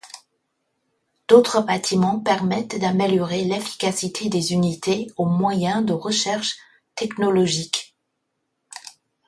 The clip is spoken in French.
D'autres bâtiments permettent d'améliorer l'efficacité des unités au moyen de recherches technologiques.